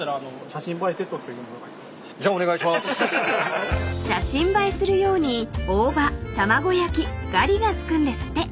［写真映えするように大葉卵焼きがりが付くんですって］